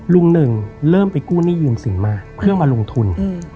หนึ่งเริ่มไปกู้หนี้ยืมสินมาเพื่อมาลงทุน